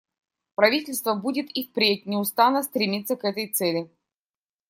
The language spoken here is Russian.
Правительство будет и впредь неустанно стремиться к этой цели.